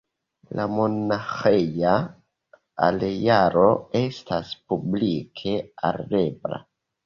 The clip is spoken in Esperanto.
La monaĥeja arealo estas publike alirebla.